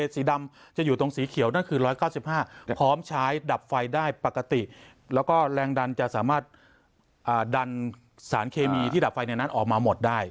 แต่ว่าดันสารเคมีที่ดับไฟในนั้นออกมาหมดได้